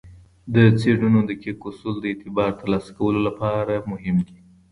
د څیړنو دقیق اصول د اعتبار ترلاسه کولو لپاره مهم دي.